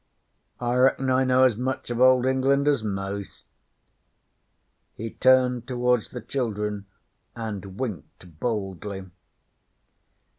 'I reckon I know as much of Old England as most.' He turned towards the children and winked boldly.